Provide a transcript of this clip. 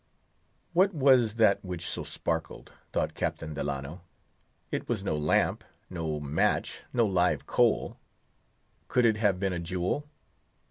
What was that which so sparkled? thought Captain Delano. It was no lamp—no match—no live coal. Could it have been a jewel?